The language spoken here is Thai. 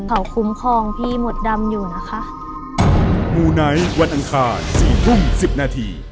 เขาคุ้มครองพี่หมดดำอยู่นะคะ